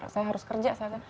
saya harus kerja